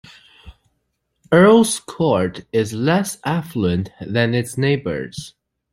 Earls Court is less affluent than its neighbours.